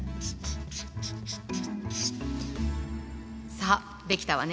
さあできたわね。